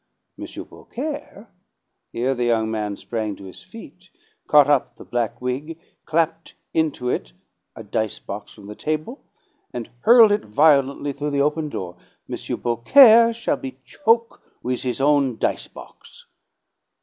'M. Beaucaire '" Here the young man sprang to his feet, caught up the black wig, clapped into it a dice box from the table, and hurled it violently through the open door. "'M. Beaucaire' shall be choke' with his own dice box.